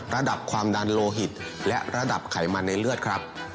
ระดับความดันโลหิตและระดับไขมันในเลือดครับ